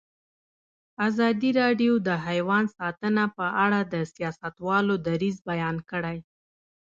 ازادي راډیو د حیوان ساتنه په اړه د سیاستوالو دریځ بیان کړی.